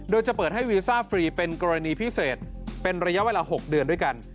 โดยจะเปิดให้วีซ่าฟรีเป็นกรณีพิเศษเป็นระยะเวลา๖เดือนด้วยกัน